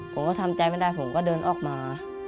ผมก็ทำใจไม่ได้ผมก็เดินออกมา